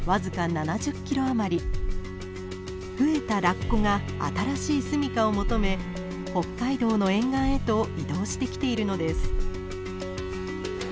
増えたラッコが新しいすみかを求め北海道の沿岸へと移動してきているのです。